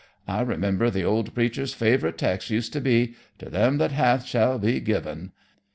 I remember the old preacher's fav'rite text used to be, 'To them that hath shall be given.'